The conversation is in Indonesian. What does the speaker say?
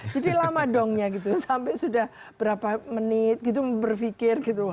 jadi lama dongnya gitu sampai sudah berapa menit gitu berpikir gitu